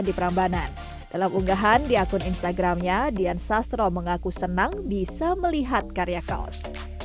di prambanan dalam unggahan di akun instagramnya dian sastro mengaku senang bisa melihat karya kaos